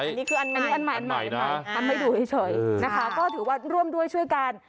อันนี้คืออันนี้อันใหม่นะทำให้ดูเฉยนะคะก็ถือว่าร่วมด้วยช่วยกัน